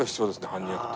犯人役って。